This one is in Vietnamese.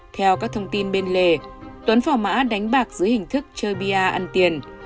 theo các thông tin bên lề tuấn phò mã đánh bạc dưới hình thức chơi bia ăn tiền